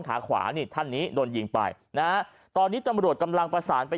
ขาขวานี่ท่านนี้โดนยิงไปนะฮะตอนนี้ตำรวจกำลังประสานไป